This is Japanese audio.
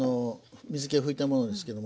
水けを拭いたものですけども。